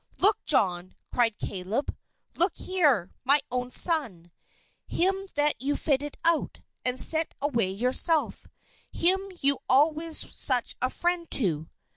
"Look, John!" cried Caleb. "Look here! My own son! Him that you fitted out, and sent away yourself! Him you were always such a friend to!"